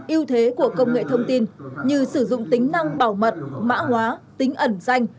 yêu thế của công nghệ thông tin như sử dụng tính năng bảo mật mã hóa tính ẩn danh